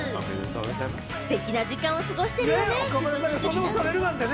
ステキな時間を過ごしてるよね。